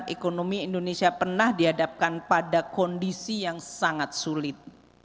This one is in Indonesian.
ekonomi indonesia pernah dihadapkan pada kondisi yang sangat sulit